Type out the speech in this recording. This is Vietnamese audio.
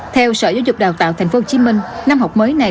theo sở giáo dục đào tạo tp hcm năm học mới này